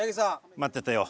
待ってたよ。